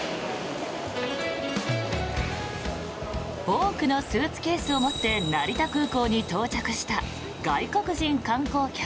多くのスーツケースを持って成田空港に到着した外国人観光客。